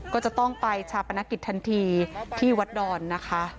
ก็จะต้องไปชาปนกิจทันทีที่วัดดอนนะคะ